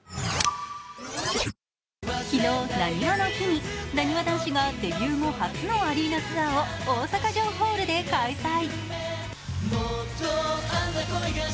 昨日、なにわの日になにわ男子がデビュー後初のアリーナツアーを大阪城ホールで開催。